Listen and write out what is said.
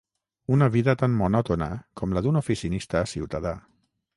Una vida tan monòtona com la d'un oficinista ciutadà